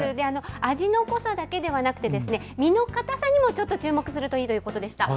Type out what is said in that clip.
味の濃さだけではなくて、身の硬さにもちょっと注目するといいということでした。